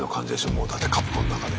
もうだってカプコンの中で。